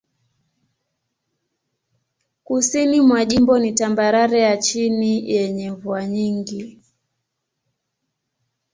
Kusini mwa jimbo ni tambarare ya chini yenye mvua nyingi.